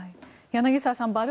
柳澤さん